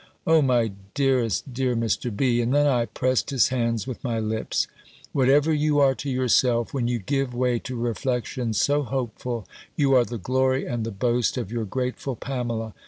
"O my dearest, dear Mr. B.," and then I pressed his hands with my lips, "whatever you are to yourself, when you give way to reflections so hopeful, you are the glory and the boast of your grateful Pamela!